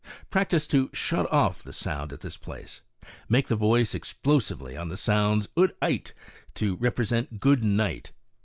Practice to shut off the sound at this place. Make the voice explosively on the sounds ood ight, to represent " good night."